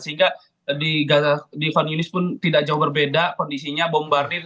sehingga di gaza di han yunis pun tidak jauh berbeda kondisinya bombardir